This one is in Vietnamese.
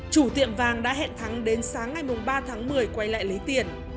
chủ tiệm vàng đã hẹn thắng đến sáng ngày ba tháng một mươi quay lại lấy tiền